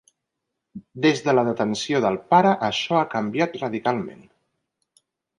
Des de la detenció del pare això ha canviat radicalment.